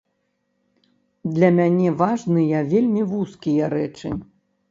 Для мяне важныя вельмі вузкія рэчы.